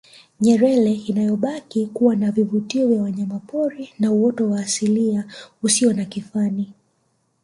Nyerere inayobaki kuwa na vivutio vya wanyamapori na uoto wa asilia usio na kifani